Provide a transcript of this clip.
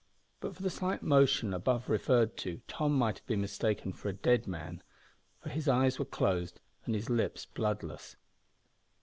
But for the slight motion above referred to Tom might have been mistaken for a dead man, for his eyes were closed and his lips bloodless.